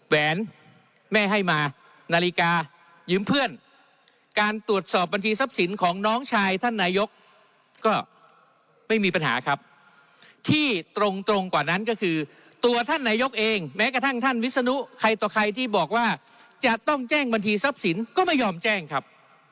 แหวนแม่ให้มานาฬิกายืมเพื่อนการตรวจสอบบัญชีทรัพย์สินของน้องชายท่านนายกก็ไม่มีปัญหาครับที่ตรงตรงกว่านั้นก็คือตัวท่านนายกเองแม้กระทั่งท่านวิศนุใครต่อใครที่บอกว่าจะต้องแจ้งบัญชีทรัพย์สินก็ไม่ยอมแจ้งครับ